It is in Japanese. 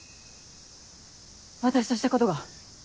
私としたことが。